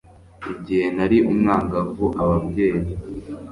igihe nari umwangavu ababyeyi